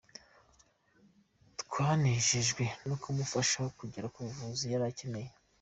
Twanejejwe no kumufasha kugera ku buvuzi yari akeneye”.